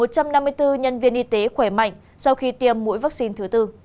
và một trăm năm mươi bốn nhân viên y tế khỏe mạnh sau khi tiêm mũi vaccine thứ bốn